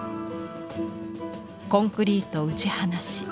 コンクリート打ち放し。